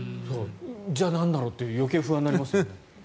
じゃあなんだろうと余計に不安になりますよね。